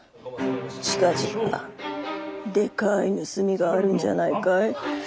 近々でかい盗みがあるんじゃないかい？